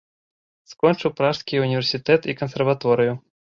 Скончыў пражскія ўніверсітэт і кансерваторыю.